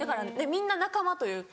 みんな仲間というか。